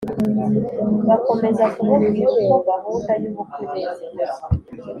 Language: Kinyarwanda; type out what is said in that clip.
bakomeza kumubwira uko gahunda yubukwe imeze